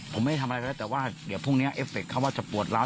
ผมไม่ได้ทำอะไรแล้วแต่ว่าเดี๋ยวพรุ่งนี้เอฟเคเขาว่าจะปวดล้าว